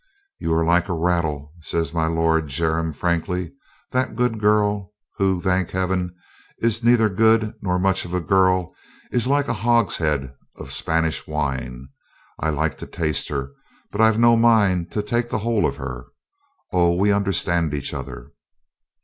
"You are like a rattle," said my Lord Jermyn frankly. "That good girl — who, thank Heaven, is neither good nor much a girl — is like a hogshead of Spanish wine. I like to taste her, but I've no 163 i64 COLONEL GREATHEART mind to take the whole of her. O, we understand each other."